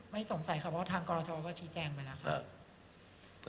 ไม่สงสัยคับว่าทางกรทบาลก็สิ่งแจ้งไปล่ะครับ